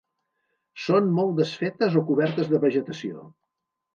Són molt desfetes o cobertes de vegetació.